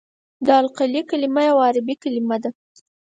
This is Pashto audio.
د القلي کلمه یوه عربي کلمه ده.